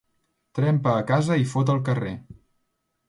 Trempa a casa i fot al carrer.